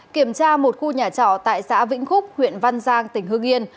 kiểm tra một khu nhà trọ tại xã vĩnh phúc huyện văn giang tỉnh hương yên